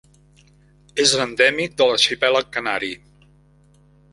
És endèmic de l'arxipèlag canari.